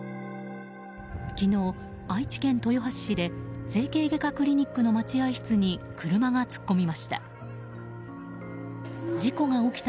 昨日、愛知県豊橋市で整形外科クリニックの待合室に車が突っ込みました。